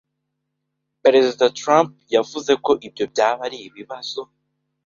Perezida Trump yavuze ko ibyo byaba ari ibibazo